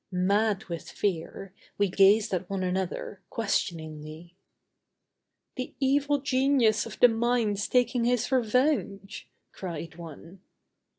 Mad with fear, we gazed at one another, questioningly. "The evil genius of the mine's taking his revenge," cried one.